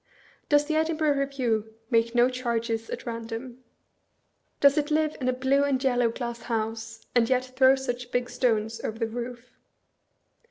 Does the Edinburgh Review make no charges at random? Does it lire in a blue and yellow glass house, and yet throw such big stones over the roof?